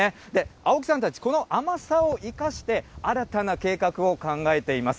青木さんたち、この甘さを生かして、新たな計画を考えています。